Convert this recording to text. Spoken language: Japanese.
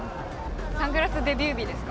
サングラスデビュー日ですか？